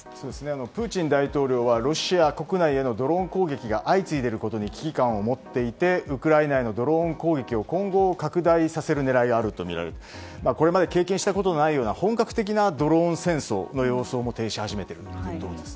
プーチン大統領はロシア国内へのドローン攻撃が相次いでいることに危機感を持ってウクライナへのドローン攻撃を今後、拡大させる狙いがあるとみられていて経験したことないような本格的なドローン抗争の様相を呈しています。